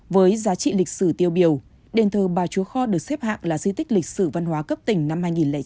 với giá trị lịch sử tiêu biểu đền thờ bà chúa kho được xếp hạng là di tích lịch sử văn hóa cấp tỉnh năm hai nghìn chín